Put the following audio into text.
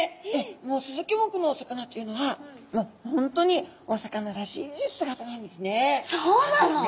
もうスズキ目のお魚というのは本当にお魚らしい姿なんですね。